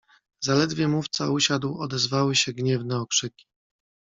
"Zaledwie mówca usiadł odezwały się gniewne okrzyki."